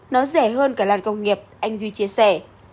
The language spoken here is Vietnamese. nó rẻ hơn cả làng công nghiệp anh duy chia sẻ